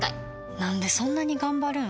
なんでそんなに頑張るん？